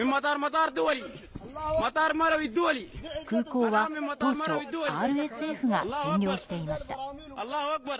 空港は当初ＲＳＦが占領していました。